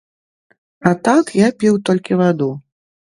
А так, я піў толькі ваду.